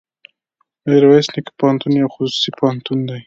ميرويس نيکه پوهنتون يو خصوصي پوهنتون دی.